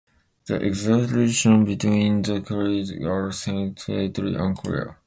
The exact relations between the clades are slightly unclear.